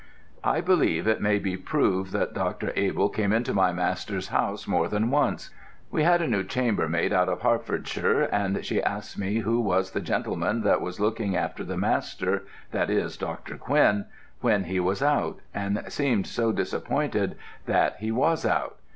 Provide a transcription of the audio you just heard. "I believe it may be proved that Dr. Abell came into my master's house more than once. We had a new chambermaid out of Hertfordshire, and she asked me who was the gentleman that was looking after the master, that is Dr. Quinn, when he was out, and seemed so disappointed that he was out.